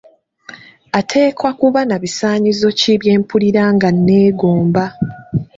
Ateekwa kuba nabisaanyizo ki byempulira nga nneegomba?